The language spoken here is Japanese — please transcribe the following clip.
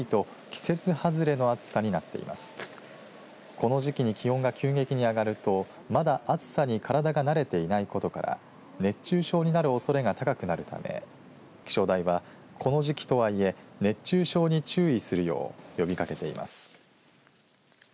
この時期に気温が急激に上がるとまだ暑さに体が慣れていないことから熱中症になるおそれが高くなるため気象台はこの時期とはいえ熱中症に注意するよう呼びかけています。